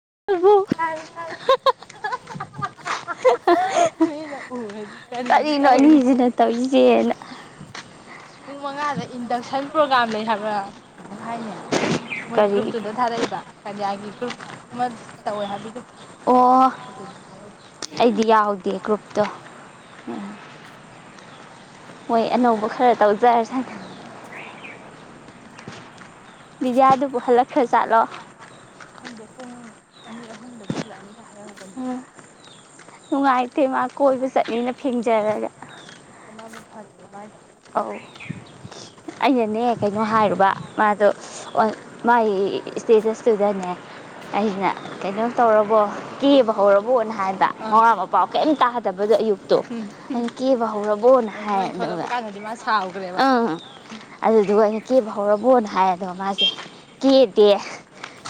ꯍꯥ ꯍꯥ ꯍꯥ ꯍꯥ ꯍꯥ ꯍꯥ ꯍꯥ ꯀꯔꯤꯅꯣ ꯑꯅꯤꯖꯤꯅ ꯇꯧꯔꯤꯖꯦꯅ ꯄꯨꯡ ꯃꯉꯥꯗ ꯏꯟꯗꯛꯁꯟ ꯄ꯭ꯔꯣꯒꯥꯥꯝ ꯂꯩ ꯍꯥꯏꯕ꯭ꯔꯥ ꯀꯩꯅꯣ ꯍꯥꯏꯅꯦ ꯃꯣꯏ ꯒ꯭ꯔꯨꯞꯇꯨꯗ ꯊꯥꯔꯛꯏꯕ ꯀꯅꯤꯌꯥꯒꯤ ꯒ꯭ꯔꯨꯞ ꯇꯧꯋꯦ ꯍꯥꯏꯕꯤꯗꯨ [inaudible] ꯃꯣꯏ ꯑꯅꯧꯕ ꯈꯔ ꯇꯧꯖꯔꯁꯅꯤ [unintelligible] ꯕꯨ ꯍꯜꯂꯛꯈ꯭ꯔꯥ ꯖꯥꯠꯂꯣ ꯑꯅꯤ ꯑꯍꯨꯝꯗꯗꯤ ꯍꯂꯛꯅꯤꯒꯥꯏ ꯍꯥꯏ ꯎꯝ ꯅꯨꯡꯉꯥꯏꯇꯦ ꯃꯥ ꯀꯣꯏꯕ ꯆꯠꯅꯤꯅ ꯐꯦꯡꯖꯔꯒ ꯑꯧ ꯑꯩꯅꯅꯦ ꯀꯩꯅꯣ ꯍꯥꯏꯔꯨꯕ ꯃꯥꯗꯣ ꯃꯥꯒꯤ ꯏꯁꯇꯦꯇꯁꯇꯨꯗꯅꯦ ꯑꯩꯅ ꯀꯩꯅꯣ ꯇꯧꯔꯕꯣ ꯀꯦꯕ ꯍꯧꯔꯕꯣꯅ ꯍꯥꯏꯕ ꯃꯋꯥꯥ ꯃꯄꯥꯎ ꯀꯩꯝ ꯇꯥꯗꯕꯗꯣ ꯑꯌꯨꯛꯇꯣ ꯑꯩꯅ ꯀꯦꯕ ꯍꯧꯔꯕꯣꯅ ꯍꯥꯏ ꯑꯗꯨꯜ ꯑꯪ ꯑꯗꯨꯗꯨꯒ ꯑꯩꯅ ꯀꯦꯕ ꯍꯧꯔꯕꯣꯅ ꯍꯥꯏ ꯑꯗꯨꯒ ꯃꯥꯁꯦ ꯀꯦꯗꯦ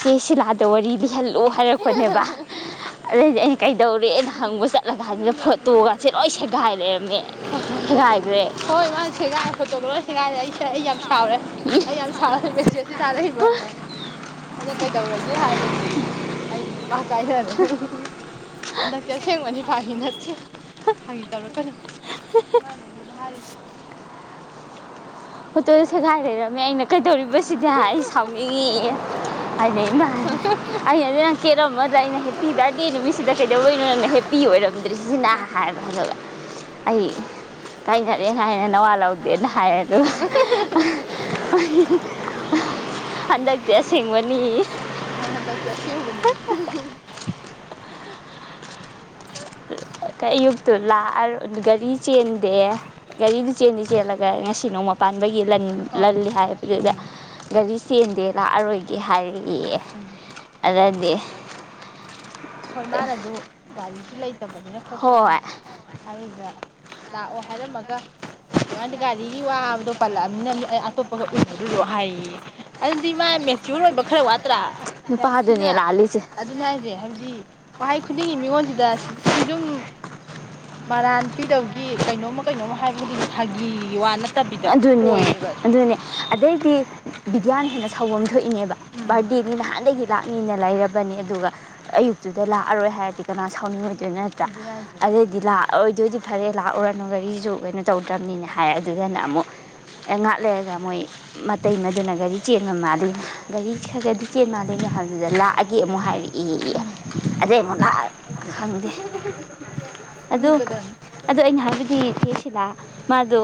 ꯆꯦ ꯁꯤꯂꯥꯗ ꯋꯥꯔꯤ ꯂꯤ ꯍꯜꯂꯣ ꯍꯥꯏꯔꯛꯄꯅꯦꯕ ꯑꯗꯩꯗꯤ ꯑꯩꯅ ꯀꯩꯗꯧꯔꯦꯅ ꯍꯪꯕ ꯆꯠꯂꯀꯥꯟꯁꯤꯗ ꯐꯣꯇꯣꯒꯁꯦ ꯂꯣꯏ ꯁꯦꯒꯥꯏ ꯂꯩꯔꯝꯃꯦ ꯁꯦꯒꯥꯏꯈ꯭ꯔꯦ ꯍꯣꯏ ꯃꯥ ꯁꯦꯒꯥꯏꯔꯦ ꯐꯣꯇꯣꯒ ꯂꯣꯏ ꯁꯦꯒꯥꯏꯔꯦ ꯑꯩꯁꯦ ꯑꯩ ꯌꯥꯝ ꯁꯥꯎꯔꯦ ꯑꯩ ꯌꯥꯝ ꯁꯥꯎꯔꯦ ꯆꯦ ꯖꯤꯅꯥꯗ ꯑꯩ ꯑꯩꯅ ꯀꯩꯗꯧꯔꯒꯦ ꯍꯥꯏꯕꯕꯨ ꯑꯩ ꯅꯨꯄꯥ ꯀꯥꯏꯅꯔꯦ ꯅꯠꯇꯦ ꯑꯁꯦꯡꯕꯅꯤ ꯐꯥꯒꯤ ꯅꯠꯇꯦ ꯐꯥꯒꯤ ꯇꯧꯔꯛꯀꯅꯣ ꯍꯣꯇꯣꯗꯣ ꯁꯦꯒꯥꯏ ꯂꯩꯔꯝꯃꯦ ꯑꯩꯅ ꯀꯩꯗꯧꯔꯤꯕꯁꯤꯗꯤ ꯍꯥꯏ ꯑꯩ ꯁꯥꯎꯅꯤꯡꯉꯤꯌꯦ ꯑꯗ ꯑꯩꯅ ꯑꯗꯨꯗ [unintelligible] ꯍꯦꯞꯄꯤ ꯕꯥꯔꯠꯗꯦ ꯅꯨꯃꯤꯠꯁꯤꯗ ꯀꯩꯗꯧ ꯕꯩꯅꯣ ꯅꯪꯅ ꯍꯦꯞꯄꯤ ꯑꯣꯏꯔꯝꯗ꯭ꯔꯤ ꯁꯤꯁꯤꯅ ꯍꯥꯏꯕ ꯑꯩ ꯀꯥꯏꯅꯔꯦ ꯍꯥꯏꯌꯦ ꯅꯋꯥ ꯂꯧꯗꯦꯅ ꯍꯥꯏꯔꯦ ꯑꯗꯨꯒ ꯍꯟꯗꯛꯇꯤ ꯑꯁꯦꯡꯕꯅꯤ [inaudible] ꯑꯌꯨꯛꯇꯨ ꯂꯥꯛꯑ ꯒꯥꯔꯤ ꯆꯦꯟꯗꯦ ꯒꯥꯔꯤꯗꯨ ꯆꯦꯟꯗꯤ ꯆꯦꯜꯂꯒ ꯉꯁꯤ ꯅꯣꯡꯃ ꯄꯥꯟꯕꯒꯤ ꯂꯟ ꯂꯜꯂꯤ ꯍꯥꯏꯕꯗꯨꯗ ꯒꯥꯔꯤ ꯆꯦꯟꯗꯦ ꯂꯥꯛꯑꯔꯣꯏꯒꯦ ꯍꯥꯏꯔꯛꯏꯑꯦ ꯑꯗꯗꯤ ꯍꯣꯢ ꯃꯥꯅꯖꯨ ꯒꯥꯔꯤꯁꯨ ꯂꯩꯇꯕꯅꯤꯅ ꯍꯣꯏ ꯑꯗꯨꯗ ꯂꯥꯛꯑꯣ ꯍꯥꯏꯔꯝꯃꯒ ꯑꯗꯨꯃꯥꯢꯅ ꯒꯥꯔꯤꯒꯤ ꯋꯥꯕꯗꯣ ꯄꯜꯂꯛꯑꯝꯅꯤꯅ ꯑꯇꯣꯞꯄꯒ ꯎꯅꯗꯨꯔꯣ ꯍꯥꯏꯌꯦꯑꯦ ꯑꯗꯨꯗꯤ ꯃꯥ ꯃꯦꯆꯌꯣꯔ ꯑꯣꯏꯕ ꯈꯔ ꯋꯥꯠꯇ꯭ꯔꯥ ꯅꯨꯄꯥꯗꯨꯅꯦ ꯂꯥꯜꯂꯤꯖꯦ ꯑꯗꯨꯅꯦ ꯍꯥꯏꯖꯦ ꯍꯥꯏꯕꯗꯤ ꯋꯥꯍꯩ ꯈꯨꯗꯤꯡꯒꯤ ꯃꯤꯉꯣꯟꯖꯤꯗ ꯑꯗꯨꯨꯝ ꯃꯔꯥꯟ ꯄꯤꯗꯧꯒꯤ ꯀꯩꯅꯣꯝꯃ ꯀꯩꯅꯣꯝꯃ ꯍꯥꯏꯕꯗꯒꯤ ꯐꯥꯒꯤ ꯋꯥ ꯅꯠꯇꯕꯤꯗ ꯑꯣꯏꯌꯦꯕ ꯑꯗꯨ ꯑꯗꯨꯅꯦ ꯑꯗꯩꯗꯤ ꯕꯤꯗ꯭ꯌꯥꯅ ꯍꯦꯟꯅ ꯁꯥꯎꯚꯝ ꯊꯣꯛꯏꯅꯦꯕ ꯕꯥꯔꯗꯦꯅꯤ ꯅꯍꯥꯟꯗꯒꯤ ꯂꯥꯛꯅꯤꯅ ꯂꯩꯔ ꯅꯤ ꯑꯗꯨꯒ ꯑꯌꯨꯛ ꯑꯗꯨꯗ ꯂꯥꯛꯑꯔꯣꯏ ꯍꯥꯏꯔꯗꯤ ꯀꯅꯥ ꯁꯥꯎꯅꯤꯡꯉꯣꯏꯗꯣꯏꯅꯣ ꯅꯠꯇ꯭ꯔꯥ ꯑꯗꯨꯗꯩꯗꯤ ꯂꯥꯛꯑꯣꯏꯗꯣꯏꯗꯤ ꯐꯔꯦ ꯂꯥꯛꯎꯨꯔꯅꯨ ꯒꯥꯔꯤꯁꯨ ꯀꯩꯅꯣ ꯇꯧꯗ꯭ꯔꯕꯅꯤꯅꯦ ꯍꯥꯏ ꯑꯗꯨꯗꯅ ꯑꯃꯨꯛ ꯑꯦ ꯉꯥꯛ ꯂꯩꯔꯒ ꯃꯣꯏ ꯃꯇꯩꯃꯥ ꯗꯨꯅ ꯒꯥꯔꯤ ꯆꯦꯟꯕ ꯃꯥꯜꯂꯤ ꯒꯥꯔꯤ ꯈꯔꯗꯤ ꯆꯦꯟ ꯃꯥꯜꯂꯤ ꯍꯥꯏꯕꯗꯨꯗ ꯂꯥꯛ ꯑꯦꯒꯦ ꯑꯃꯨꯛ ꯍꯥꯏꯔꯛꯑꯦꯌꯦ ꯑꯗꯩ ꯑꯩꯃꯨꯛ ꯂꯥꯛ ꯈꯪꯗꯦ ꯑꯗꯨ ꯑꯗꯨ ꯑꯩꯅ ꯍꯥꯏꯕꯗꯤ ꯏꯆꯦ ꯁꯤꯂꯥ ꯃꯥꯗꯣ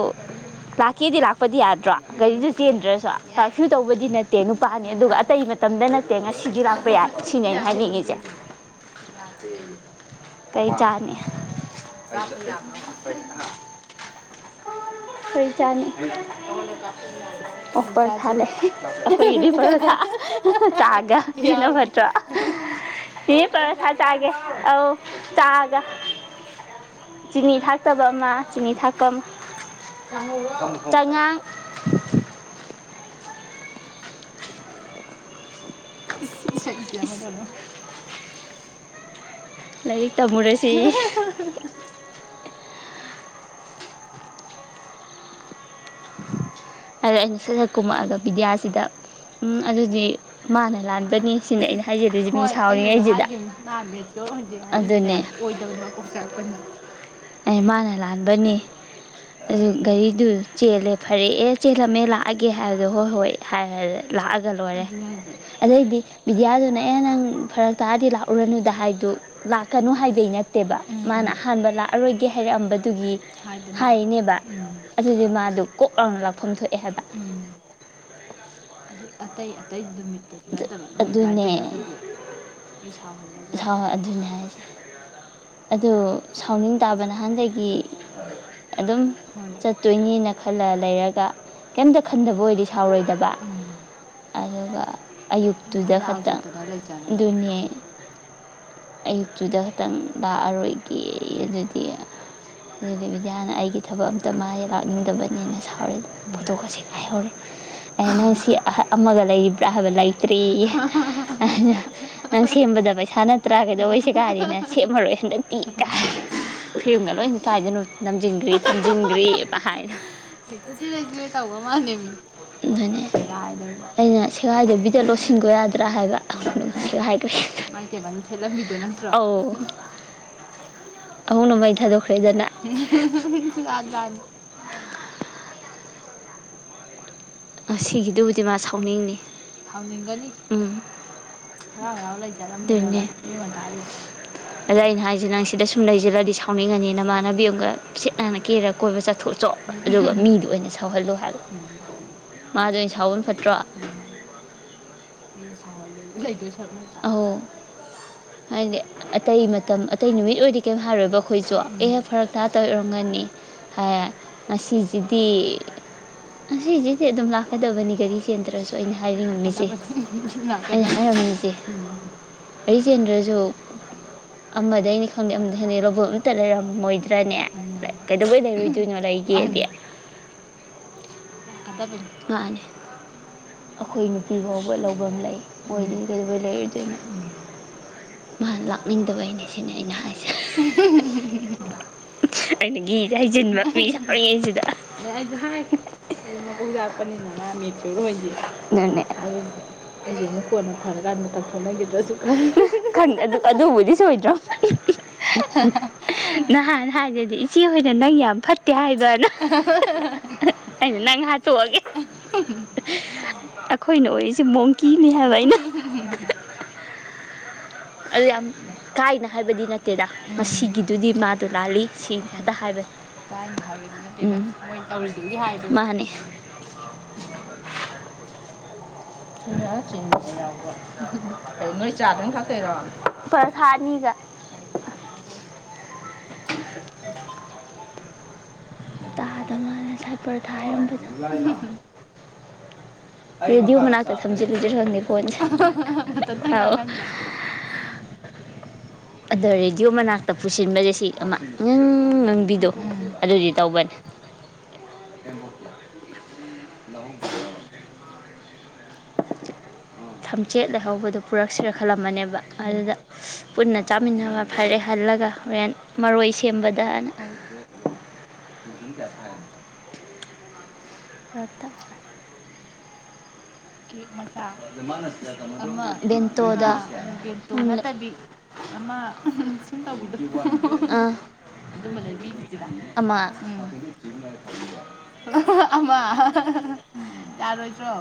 ꯂꯥꯛꯀꯦꯗꯤ ꯂꯥꯛꯄꯗꯤ ꯌꯥꯗ꯭ꯔꯣ ꯒꯥꯔꯤꯗꯨ ꯆꯦꯟꯗ꯭ꯔꯁꯨ ꯀꯥꯔꯐ꯭ꯌꯨ ꯇꯧꯕꯗꯤ ꯅꯠꯇꯦ ꯅꯨꯄꯥꯅꯤ ꯑꯗꯨꯒ ꯑꯇꯩ ꯃꯇꯝꯗ ꯅꯠꯇꯦ ꯉꯁꯤꯗꯤ ꯂꯥꯛꯄ ꯌꯥꯏ ꯁꯤꯅꯦ ꯑꯩ ꯍꯥꯏꯅꯤꯡ ꯉꯤꯖꯦ ꯀꯩ ꯆꯥꯅꯤ ꯀꯩ ꯆꯥꯅꯤ [unintelligible] [unintelligible] ꯌꯦ ꯄꯔꯣꯊꯥ ꯆꯥꯒꯦ ꯑꯧ ꯆꯥꯒ ꯆꯤꯅꯤ ꯊꯥꯛꯇꯕ ꯑꯃ ꯆꯤꯅꯤ ꯊꯥꯛꯄ ꯑꯝ ꯆꯥꯉꯧꯔꯣ ꯆꯉꯥꯡ ꯂꯥꯏꯔꯤꯛ ꯇꯝꯃꯨꯔꯁꯤꯑꯦ [inaudible] ꯑꯗꯣ ꯑꯩꯅ ꯁꯠ ꯁꯠ ꯀꯨꯝꯃꯛꯑꯒ ꯕꯤꯗ꯭ꯌꯥꯁꯤꯗ ꯎꯝ ꯑꯗꯨꯗꯤ ꯃꯥꯅ ꯂꯥꯟꯕꯅꯤ ꯁꯤꯅ ꯑꯩꯅ ꯍꯥꯏꯖꯜꯂꯤꯖꯤ ꯃꯤ ꯁꯥꯎꯔꯤꯉꯩ ꯖꯤꯗ ꯑꯗꯨꯅꯦ ꯑꯩ ꯃꯥꯅ ꯂꯥꯟꯕꯅꯤ ꯑꯗꯨ ꯒꯔꯤꯗꯨ ꯆꯦꯜꯂꯦ ꯐꯔꯦ ꯑꯦ ꯆꯦꯜꯂꯝꯃꯦ ꯂꯥꯛꯑꯒꯦ ꯍꯥꯏꯕꯗꯣ ꯍꯣꯏ ꯍꯣꯏ ꯍꯥꯏ ꯂꯥꯛꯑꯒ ꯂꯣꯏꯔꯦ ꯑꯗꯩꯗꯤ ꯕꯤꯗꯤꯌꯥꯗꯨꯅ ꯑꯦ ꯅꯪ ꯐꯔꯛ ꯇꯥꯔꯗꯤ ꯂꯥꯛꯎꯨꯔꯅꯨꯗ ꯍꯥꯏꯗꯨ ꯂꯥꯛꯀꯅꯨ ꯍꯥꯏꯕꯩ ꯅꯠꯇꯦꯕ ꯃꯥꯅ ꯑꯍꯥꯟꯕ ꯂꯥꯛꯑꯔꯣꯏꯒꯦ ꯍꯥꯏꯔꯛꯑꯝꯕꯗꯨꯒꯤ ꯍꯥꯏꯔꯤꯅꯦ ꯑꯗꯨꯗꯤ ꯃꯥ ꯑꯗꯨ ꯀꯣꯛ ꯂꯥꯎꯅ ꯂꯥꯛꯐꯝ ꯊꯣꯛꯑꯦ ꯍꯥꯏꯕ ꯑꯗꯨ ꯑꯇꯩ ꯅꯨꯃꯤꯠꯇ ꯑꯗꯨꯅꯦ ꯑꯩꯪ ꯁꯥꯎꯍꯜꯂꯦ ꯑꯗꯨꯅꯦ ꯍꯥꯏꯁꯦ ꯑꯗꯨ ꯁꯥꯎꯅꯤꯡ ꯇꯥꯕ ꯅꯍꯥꯟꯗꯒꯤ ꯑꯗꯨꯝ ꯆꯠꯇꯣꯏꯅꯦꯅ ꯈꯜꯂ ꯂꯩꯔꯒ ꯀꯩꯝꯇ ꯈꯟꯗꯕ ꯑꯣꯏꯗꯤ ꯁꯥꯎꯔꯣꯏꯗꯕ ꯑꯗꯨꯒ ꯑꯌꯨꯛꯇꯨꯗ ꯈꯛꯇꯪ ꯑꯗꯨꯅꯦ ꯑꯌꯨꯛꯇꯨꯗ ꯈꯛꯇꯪ ꯂꯥꯛꯑꯔꯣꯏꯒꯦ ꯑꯗꯨꯗꯤ ꯑꯗꯨꯗꯤ ꯕꯤꯗ꯭ꯌꯥꯅ ꯑꯩꯒꯤ ꯊꯕꯛ ꯑꯝꯇ ꯃꯥꯗꯤ ꯂꯥꯛꯅꯤꯡꯗꯕꯅꯤ ꯅꯅ ꯁꯥꯎꯔ ꯄꯨꯣꯠꯇꯑꯁꯤ ꯀꯥꯏꯍꯧꯔꯦ ꯑꯩ ꯅꯪ ꯁꯤ ꯑꯃꯒ ꯂꯩꯔꯤꯕ꯭ꯔꯥ ꯍꯥꯏꯕ ꯂꯩꯇ꯭ꯔꯦꯌꯦ ꯑꯩꯅ ꯅꯪ ꯁꯦꯝꯕꯗ ꯄꯩꯁꯥ ꯅꯠꯇ꯭ꯔꯥ ꯀꯩꯗꯧꯕꯩ ꯁꯦꯒꯥꯏꯔꯤꯅꯣ ꯁꯦꯝꯃꯔꯣꯏ ꯍꯟꯗꯛꯇꯤ ꯀꯥꯏ ꯐꯤꯝꯒ ꯂꯣꯏꯅ ꯀꯥꯏꯗꯅꯣ ꯅꯝꯁꯤꯟꯈ꯭ꯔꯦ ꯊꯝꯖꯤꯟꯒ꯭ꯔꯦ ꯀꯥꯢ ꯍꯥꯏꯔꯗꯅ [unintelligible] ꯑꯩꯅ ꯁꯦꯒꯥꯏꯗꯕꯤꯗ ꯆꯠꯂꯣ ꯁꯤꯟꯒꯣ ꯌꯥꯗ꯭ꯔꯥ ꯍꯥꯏꯕ [unintelligible] ꯑꯃꯨꯛꯅ ꯃꯩ ꯊꯥꯗꯣꯛꯈ꯭ꯔꯦꯗꯅ ꯍꯨꯝ ꯍꯨꯝꯍꯨꯝ ꯍꯨꯝ ꯖꯥꯠ ꯖꯥꯠꯅꯤ ꯑꯁꯤ ꯒꯤ ꯑꯗꯨꯕꯨꯗꯤ ꯃꯥ ꯁꯥꯎꯅꯤꯡꯅꯤ ꯁꯥꯎꯅꯤꯡꯒꯅꯤ ꯎꯝ ꯍꯔꯥꯎ ꯍꯔꯥꯎ ꯂꯩꯖꯔꯝꯕꯅꯦꯕ ꯑꯗꯨꯅꯦ [unintelligible] ꯑꯗ ꯑꯩꯅ ꯍꯥꯏꯁ ꯅꯪ ꯁꯤꯗ ꯁꯨꯝ ꯂꯩꯁꯤꯜꯔꯗꯤ ꯁꯥꯎꯅꯤꯡꯉꯅꯤ ꯅꯃꯥꯟꯅꯕꯤ ꯑꯃꯒ ꯁꯤꯠ ꯅꯥꯟꯅ ꯀꯦꯔꯒ ꯀꯣꯏꯕ ꯆꯠꯊꯣꯛꯎꯆꯣ ꯑꯗꯨꯒ ꯃꯤꯗꯨ ꯑꯣꯏꯅ ꯁꯥꯏꯍꯜꯂꯨ ꯍꯥꯏꯕ ꯃꯥꯗꯤ ꯐꯠꯇ꯭ꯔꯣ ꯑꯩ ꯍꯥꯏꯗꯤ ꯑꯇꯩ ꯃꯇꯝ ꯑꯇꯩ ꯅꯨꯃꯤꯠ ꯑꯣꯏꯗꯤ ꯀꯩꯝ ꯍꯥꯏꯔꯣꯏꯕ ꯑꯩꯈꯣꯏꯁꯨ ꯑꯦꯍꯦꯛ ꯐꯔꯛ ꯇꯥ ꯇꯧꯔꯤ ꯑꯣꯢꯔꯝꯒꯅꯤ ꯍꯥꯏ ꯉꯁꯤꯁꯤꯗꯤ ꯉꯁꯤꯁꯤ ꯐꯗꯕꯅꯤ ꯘꯔꯤ ꯆꯦꯟꯗ꯭ꯔꯁꯨ ꯑꯩꯅ ꯍꯥꯏꯅꯤꯡꯉꯤꯁꯦ ꯑꯩꯅ ꯍꯥꯏꯔꯝꯃꯤꯁꯦ ꯒꯥꯔꯤ ꯆꯦꯟꯗ꯭ꯔꯁꯨ ꯑꯃꯗꯩꯅꯤ ꯈꯪꯗꯦ ꯑꯃꯗꯩꯅꯤ ꯈꯪꯗꯦ ꯂꯧꯕꯝ ꯑꯝꯇ ꯂꯩꯔꯝꯃꯣꯏꯗ꯭ꯔꯅꯦ ꯀꯩꯗꯧꯕꯩ ꯂꯩꯔꯣꯏꯗꯣꯏꯅꯣ ꯂꯩꯒꯦꯗꯤ [inaudible] ꯃꯥꯅꯦ ꯑꯩꯈꯣꯏ ꯅꯨꯄꯤ ꯐꯥꯎꯕ ꯂꯧꯕꯝ ꯂꯩ ꯃꯣꯏꯗꯨꯗꯤ ꯀꯩꯗꯧꯕꯩ ꯂꯩꯔꯣꯏꯗꯣꯏꯅꯣ ꯃꯥꯅ ꯂꯥꯛꯅꯤꯡꯗꯕꯩꯅꯦ ꯁꯤꯅꯤ ꯑꯩꯅ ꯍꯥꯏꯁꯦ [unintelligible] ꯑꯩꯅ ꯒꯤ ꯍꯩꯖꯤꯟꯕ ꯃꯤ ꯁꯥꯎꯔꯤꯉꯩꯁꯤꯗ ꯑꯗꯨꯛ ꯃꯀꯣꯛ ꯆꯥꯛꯄꯅꯤꯅ ꯃꯥ ꯃꯦꯆꯌꯣꯔ ꯑꯣꯏꯗꯦ ꯍꯥꯏꯕꯗꯨ ꯑꯩꯁ ꯑꯃꯨꯛ ꯀꯣꯟꯅ ꯐꯔꯀꯥꯟꯗ ꯇꯥꯟꯊꯣꯛꯅꯈꯤꯗ꯭ꯔꯁꯨ ꯈꯜꯂꯤ ꯍꯨꯝ ꯍꯥ ꯍꯥ ꯍꯥ ꯑꯗꯨꯅꯕꯨꯗꯤ ꯁꯣꯏꯗꯔ꯭ꯕꯅꯤ ꯍꯨꯝ ꯍꯥ ꯍꯥ ꯍꯥ ꯍꯥ [unintelligible] [inaudible] ꯍꯥꯏꯗꯗꯤ ꯏꯆꯦ ꯍꯣꯏꯅ ꯅꯪ ꯌꯥꯝ ꯐꯠꯇꯦ ꯍꯥꯏꯗꯔꯅ ꯑꯩꯅ ꯅꯪ ꯍꯥꯠꯇꯣꯛꯑꯒꯦ ꯑꯩꯈꯣꯏꯅ ꯑꯣꯏꯔꯤꯁꯦ ꯃꯣꯡꯀꯤꯅꯤ ꯍꯥꯏꯕ ꯑꯩꯅ ꯑꯗꯨ ꯌꯥꯝ ꯀꯥꯏꯅ ꯍꯥꯏꯕꯗꯤ ꯅꯠꯇꯦꯗ ꯉꯁꯤꯒꯤꯗꯨꯗꯤ ꯃꯥꯗꯣ ꯂꯥꯜꯂꯤ ꯁꯤ ꯈꯛꯇ ꯍꯥꯏꯕ ꯀꯥꯢꯅ ꯍꯥꯢꯕꯗꯤ ꯅꯠꯇꯦꯕ ꯑꯝ ꯃꯣꯢ ꯇꯧꯔꯤꯗꯨꯒꯤ ꯍꯥꯢꯕ ꯃꯥꯍꯅꯦ ꯅꯣꯏ ꯆꯥꯗꯪ ꯊꯛꯛꯇꯣꯢꯔꯣ ꯄꯥꯔꯊ ꯑꯅꯤꯒ ꯇꯥꯗ ꯃꯥꯅꯖ ꯄꯔꯊ ꯍꯥꯢꯌꯣ ꯔꯦꯗꯤꯑꯣ ꯃꯅꯥꯛꯇ ꯊꯝꯖꯤꯜꯂꯨꯁꯤꯔ ꯈꯪꯗꯦ ꯐꯣꯟꯁꯦ ꯍꯥ ꯍꯥ ꯍꯥ ꯑꯗ ꯔꯦꯗꯤꯑꯣ ꯃꯅꯥꯛꯇ ꯄꯨꯁꯤꯟꯕꯁꯦ ꯁꯤ ꯑꯃ ꯉꯪ ꯉꯪꯕꯤꯗꯣ ꯑꯗꯨꯗꯤ ꯇꯧꯕꯅꯤ [unintelligible] ꯊꯝꯆꯦꯠ ꯂꯩꯍꯧꯕꯗꯨꯣ ꯄꯨꯔꯛꯁꯤꯔ ꯈꯜꯂꯝꯕꯅꯦꯕ ꯑꯗꯨꯗ ꯄꯨꯟꯅ ꯆꯥꯃꯤꯟꯅꯕ ꯐꯔꯦ ꯍꯜꯂꯒ ꯍꯣꯔꯦꯟ ꯃꯔꯣꯏ ꯁꯦꯝꯕꯗꯅ ꯉꯇ ꯀꯦꯛ ꯃꯆꯥ ꯑꯃ [inaudible] ꯕꯦꯟꯇꯣꯗ ꯕꯦꯟꯇꯣ ꯅꯠꯇꯕꯤ ꯑꯃ ꯁꯨꯝ ꯇꯧꯕꯤꯗꯣ [inaudible] ꯑꯥ ꯑꯗꯨꯃ ꯂꯩꯕꯤꯒꯤꯖꯤꯔ ꯑꯃ ꯎꯝ [inaudible] ꯑꯃ ꯍ ꯍ ꯌꯥꯔꯣꯏꯗ꯭꯭ꯔꯣ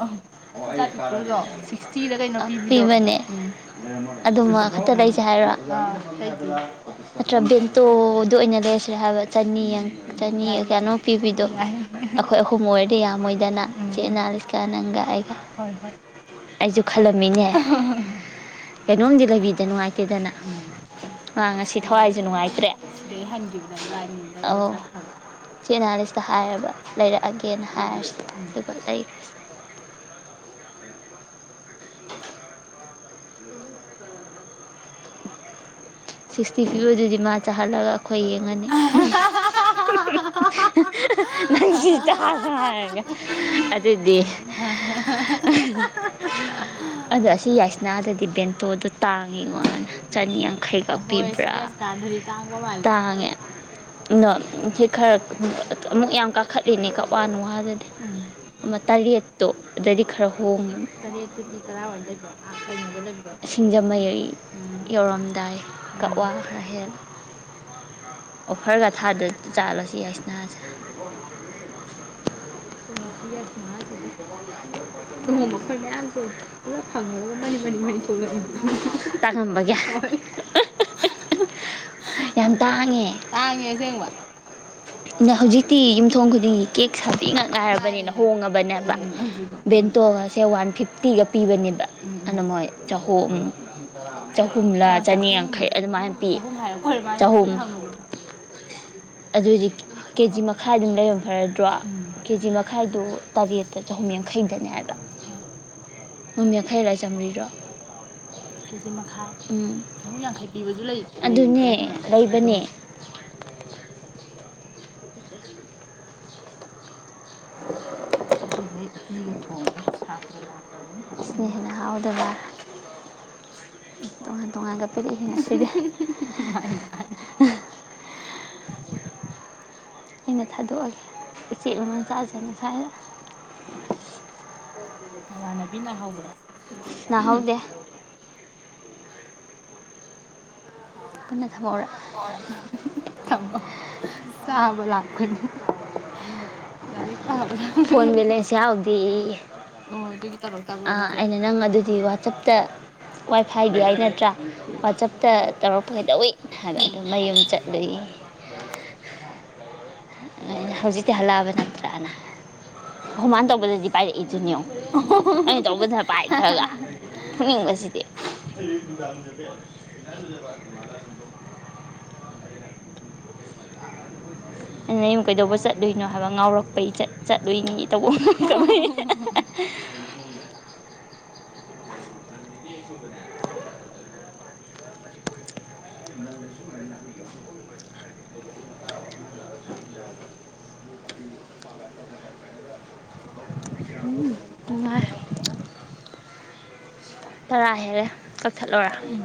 ꯃꯆꯥ ꯄꯤꯛꯇ꯭ꯔꯨꯗꯣ ꯁꯤꯛꯁꯇꯤꯔ ꯀꯩꯅꯣ ꯄꯤꯕꯗꯣ ꯑ ꯄꯤꯕꯅꯦ ꯑꯗꯨꯃ ꯈꯛꯇ ꯂꯩꯁꯦ ꯍꯥꯏꯔꯣ ꯑ ꯂꯩꯗꯣꯏꯅꯤ ꯅꯠꯇ꯭ꯔ ꯕꯦꯟꯇꯣꯗ ꯑꯣꯏꯅ ꯂꯩꯔꯁꯤꯔ ꯍꯥꯏꯕ ꯆꯅꯤ ꯆꯅꯤ ꯀꯌꯥꯅꯣꯝ ꯄꯤꯕꯤꯗꯣ ꯌꯥꯏ ꯌꯥꯏ ꯑꯩꯈꯣꯏ ꯑꯍꯨꯝ ꯑꯣꯏꯔꯗꯤ ꯌꯥꯝꯃꯣꯏꯗꯅ ꯆꯦ ꯑꯦꯅꯥꯂꯤꯁꯀ ꯅꯪꯒ ꯑꯩ ꯍꯣꯏ ꯍꯣꯏ ꯑꯩꯁꯨ ꯈꯜꯂꯝꯃꯤꯅꯦ ꯑꯍ ꯍ ꯀꯩꯅꯣꯝꯗꯤ ꯂꯩꯕꯤꯗ ꯅꯨꯡꯉꯥꯏꯇꯦꯗꯅ ꯎꯝ ꯃꯥ ꯉꯁꯤ ꯊꯋꯥꯏꯁꯨ ꯅꯨꯡꯉꯥꯏꯇ꯭ꯔꯦ ꯑꯧ ꯆꯦꯅꯥꯂꯤꯁꯤꯁꯇ ꯍꯥꯏꯔꯕ ꯂꯩꯔꯛꯑꯒꯦꯅ ꯍꯥꯏꯔꯁꯤ ꯑꯗꯨꯒ ꯂꯩꯔꯈꯔꯁꯦ [inaudible] [inaudible] ꯁꯤꯛꯁꯇꯤ ꯄꯤꯕꯗꯨꯗꯤ ꯃꯥ ꯆꯥꯍꯜꯂꯒ ꯑꯩꯈꯣꯏ ꯌꯦꯡꯉꯅꯤ ꯑꯍꯥꯍꯥ ꯍ ꯍ ꯍ ꯍ ꯍ ꯍ ꯅꯪ ꯁꯤ ꯆꯥꯔꯣ ꯍꯥꯏꯔꯒ ꯑꯗꯨꯗꯤ ꯑ ꯑꯗꯣ ꯑꯁꯤ ꯌꯥꯏꯁꯅꯥꯗꯗꯤ ꯕꯦꯟꯇꯣꯗꯣ ꯇꯥꯡꯉꯤꯉꯣ ꯆꯅꯤ ꯌꯥꯡ ꯈꯩꯪ ꯈꯛ ꯄꯤꯕ꯭ꯔꯥ ꯇꯥꯡꯉꯦ ꯗꯣ ꯁꯤ ꯈꯔ ꯑ ꯑꯃꯨꯛ ꯌꯥꯝ ꯀꯥꯈꯠꯂꯤꯅꯦ ꯀꯛꯋꯥ ꯅꯨꯡꯋꯥꯗꯗꯤ ꯑꯃ ꯇꯔꯦꯠꯇꯣ ꯑꯗꯗꯤ ꯈꯔ ꯍꯣꯡꯉꯦ ꯇꯔꯦꯠꯇꯨꯗꯤ ꯀꯔꯥꯋꯥꯢ ꯂꯩꯕꯅꯣ ꯑ ꯀꯩꯅꯣ ꯂꯩꯕꯗꯣ ꯁꯤꯡꯖꯃꯩ ꯌꯧꯔꯝꯗꯥꯏ ꯀꯛꯋꯥ ꯈꯔ ꯍꯦꯜ ꯑꯣꯐꯔꯒ ꯊꯥꯗ ꯖꯥꯠꯂꯣꯁꯤ ꯌꯥꯏꯁꯅꯥꯁꯦ ꯅꯣꯡꯃ ꯑꯩꯈꯣꯢ ꯃꯌꯥꯝꯁꯦ ꯄꯨꯂꯞ ꯐꯪꯉꯒ ꯃꯔꯤ ꯃꯔꯤ ꯃꯔꯤ ꯊꯣꯛꯂꯛꯑꯗꯤ ꯎꯍ ꯍ ꯍ ꯇꯥꯡꯉꯝꯕꯒꯤ ꯍꯣꯢ ꯑ ꯍ ꯍ ꯍ ꯍ ꯌꯥꯝ ꯇꯥꯡꯉꯦ ꯇꯥꯡꯉꯦ ꯑꯁꯦꯡꯕ ꯉ ꯍꯧꯖꯤꯛꯇꯤ ꯌꯨꯝꯊꯣꯡ ꯈꯨꯗꯤꯡꯒꯤ ꯀꯦꯛ ꯁꯥꯕꯤ ꯉꯥꯛ ꯉꯥꯏꯔꯕꯅꯤꯅ ꯍꯣꯡꯉꯕꯅꯦꯕ ꯚꯦꯟꯇꯣꯒꯁꯦ ꯋꯥꯟ ꯐꯤꯐꯇꯤꯒ ꯄꯤꯕꯅꯦꯕ ꯑꯗꯨꯅ ꯃꯣꯏ ꯆꯍꯨꯝ ꯆꯍꯨꯝꯂꯥ ꯆꯅꯤꯌꯥꯡꯈꯩ ꯑꯗꯨꯃꯥꯏ ꯄꯤ [inaudible] ꯆꯍꯨꯝ ꯑꯗꯨꯗꯤ ꯀꯦꯖꯤ ꯃꯈꯥꯏꯗꯨꯝ ꯂꯩꯔꯝ ꯐꯔꯣꯢꯗ꯭ꯔꯣ ꯎꯝ ꯀꯦꯖꯤ ꯃꯈꯥꯏꯗꯨ ꯇꯔꯦꯠ ꯇ ꯆꯍꯨꯝ ꯌꯥꯡꯈꯩꯗꯅꯦ ꯍꯥꯏꯕ ꯍꯣꯏ ꯆꯍꯨꯝ ꯌꯥꯡꯈꯩꯔꯣ ꯆꯝꯕ꯭ꯔꯤꯔꯣ ꯀꯦꯖꯤ ꯃ ꯎꯝ ꯆꯍꯨꯝ ꯌꯥꯡꯈꯩ ꯄꯤꯕꯁꯨ ꯂꯩ ꯑꯗꯨꯅꯦ ꯂꯩꯕꯅꯦ [inaudible] ꯁꯤ ꯅ ꯍꯦꯟꯅ ꯍꯥꯎꯗꯧ ꯃꯥꯜ [inaudible] ꯇꯣꯉꯥꯟ ꯇꯣꯉꯥꯟꯒ [inaudible] ꯑꯩꯅ ꯊꯥꯗꯣꯛꯑꯒꯦ ꯎꯆꯦꯛ ꯃꯝ ꯃꯆꯥꯁꯦ ꯉꯁꯥꯢꯗꯅ [inaudible] ꯏꯃꯥꯟꯅꯕꯤ ꯅꯥꯍꯧꯕ꯭ꯔꯣ ꯅꯥꯍꯧꯗꯦ ꯅꯥꯍꯧꯗꯦ ꯀꯅꯠ [unintelligible] [unintelligible] ꯐꯣꯟ ꯕꯦꯂꯦꯟꯁ ꯌꯥꯎꯗꯦꯌꯦ ꯑꯗꯨꯢ ꯇꯧꯔꯛꯇꯕ ꯑꯥ ꯑꯩꯅ ꯅꯪ ꯑꯗꯨꯗꯤ ꯋꯥꯆꯞꯇ ꯋꯥꯏꯐꯥꯏꯗꯤ ꯍꯥꯏ ꯅꯠꯇ꯭ꯔꯥ ꯋꯥꯆꯞꯇ ꯇꯧꯔꯛꯄꯒꯩꯗꯧꯋꯤ ꯍꯥꯏꯕꯗꯣ ꯃꯌꯨꯝ ꯆꯠꯂꯨꯏ ꯑꯩꯅ ꯍꯖꯤꯛ ꯇꯤ ꯍꯜꯂꯛꯑꯕ ꯅꯠꯇ꯭ꯔꯅ ꯑꯈꯣꯢ ꯃꯥꯅ ꯇꯧꯕꯗꯗꯤ ꯄꯥꯏꯔꯛꯏꯗꯨꯅꯤ ꯌꯦꯡꯉꯣ ꯑꯣ ꯍꯣ ꯍꯣ ꯑꯩꯟ ꯇꯧꯕꯗ ꯄꯥꯏꯗ꯭ꯔꯒ ꯐꯨꯅꯤꯡꯕꯁꯤꯗꯤ [unintelligible] ꯅꯌꯨꯝ ꯀꯩꯗꯧꯕ ꯆꯠꯂꯨꯏꯅꯣ ꯍꯥꯏꯕ ꯉꯥꯎꯔꯛꯄꯩ ꯆꯠ ꯆꯠꯂꯨꯏꯅꯤ ꯇꯧꯕ [unintelligible] ꯎꯝ ꯃꯥ ꯇꯔꯥ ꯍꯦꯟꯂꯦ ꯀꯛꯊꯠꯂꯣꯔꯥ ꯎꯝ